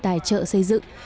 tài trợ xây dựng